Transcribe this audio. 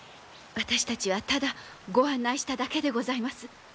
私たちはただご案内しただけでございます。